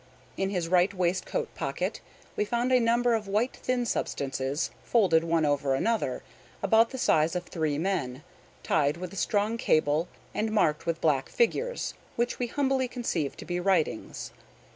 In his right waistcoat pocket we found a number of white thin substances, folded one over another, about the size of three men, tied with a strong cable, and marked with black figures, which we humbly conceive to be writings.